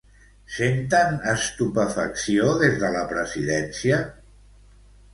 Senten estupefacció des de la presidència?